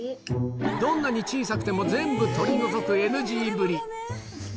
どんなに小さくても全部取り除くＮＧぶり。